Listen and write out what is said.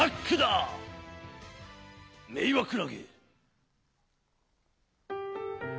メイワクラゲ。